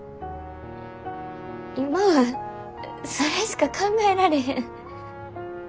今はそれしか考えられへん。